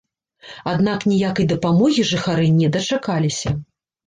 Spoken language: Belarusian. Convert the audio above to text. Аднак ніякай дапамогі жыхары на дачакаліся.